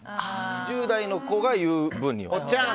１０代の子が言う分には。